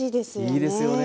いいですよね